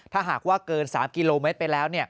ถ้าหากว่าเกิน๓กิโลเมตรไปแล้ว